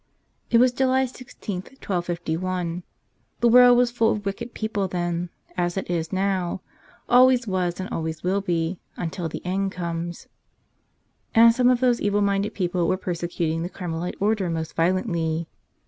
IT WAS July 16, 1251. The world was full of wicked people then, as it is now, always was, and always will be — until the end comes. And some of those evil minded people were perse¬ cuting the Carmelite Order most violently.